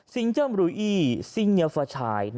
สิงเจิ่มหรูอี้สิงเงียวฝ่าชาย